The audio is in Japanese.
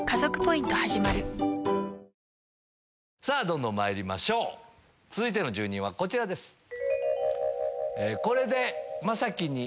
ＪＴさぁどんどんまいりましょう続いての住人はこちらです。